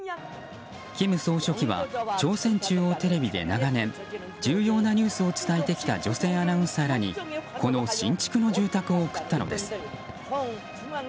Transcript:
金総書記は朝鮮中央テレビで長年重要なニュースを伝えてきた女性アナウンサーらにこの新築の住宅を贈ったのです。